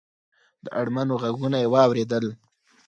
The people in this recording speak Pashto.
د اړمنو غږونه یې واورېدل.